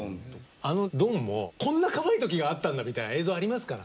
あのドンもこんなかわいい時があったんだみたいな映像ありますから。